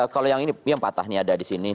kalau yang ini yang patah ini ada di sini